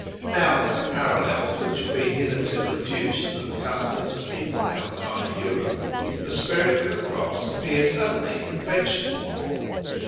Now in the parallels which have been hitherto adduced from the customs of peoples outside Europe the spirit of the crops appears only in vegetable form.